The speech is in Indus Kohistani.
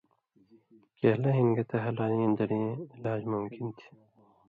کېلہ ہِن گتہ ہلالیں دڑیں علاج ممکن تھی